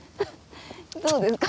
どうですか？